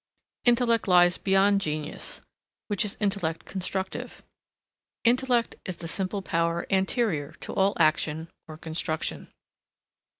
Intellect lies behind genius, which is intellect constructive. Intellect is the simple power anterior to all action or construction.